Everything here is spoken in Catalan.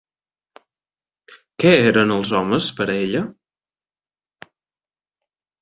Què eren els homes per a ella?